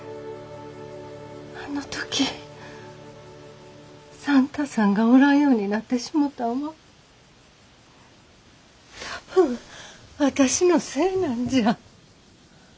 あの時算太さんがおらんようになってしもうたんは多分私のせいなんじゃ。